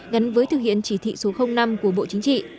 gắn với thực hiện chỉ thị số năm của bộ chính trị